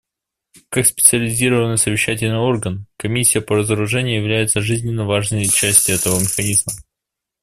Как специализированный совещательный орган, Комиссия по разоружению является жизненно важной частью этого механизма.